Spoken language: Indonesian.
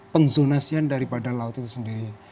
penzonasian daripada laut itu sendiri